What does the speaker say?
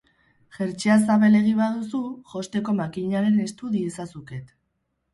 Jertsea zabalegi baduzu, josteko makinaren estu diezazuket.